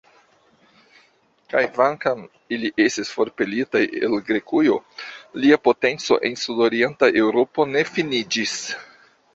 Kaj kvankam ili estis forpelitaj el Grekujo, ilia potenco en sudorienta Eŭropo ne finiĝis.